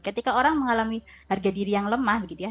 ketika orang mengalami harga diri yang lemah begitu ya